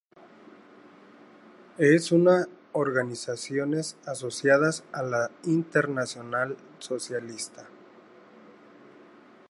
Es una organizaciones asociada a la Internacional Socialista.